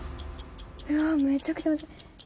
うわめちゃくちゃむずい。